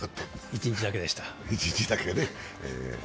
一日だけでした。